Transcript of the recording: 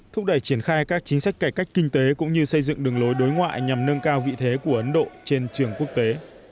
thúc đẩy triển khai các chính sách cải cách kinh tế cũng như xây dựng đường lối đối ngoại nhằm nâng cao vị thế của ấn độ trên trường quốc tế